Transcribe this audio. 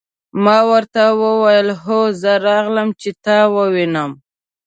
ما ورته وویل: هو زه راغلم، چې ته ووینم.